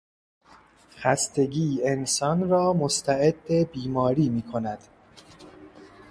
خستگی انسان را مستعد بیماری میکند.